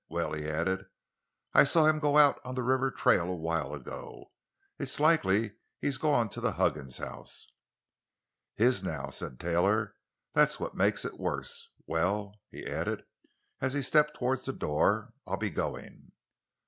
"Well," he added, "I saw him go out on the river trail a while ago; it's likely he's gone to the Huggins house." "His—now," said Taylor; "that's what makes it worse. Well," he added as he stepped toward the door, "I'll be going."